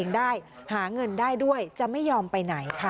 น้อยน้อยน้อยไม่ไป